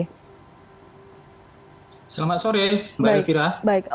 selamat sore mbak ikira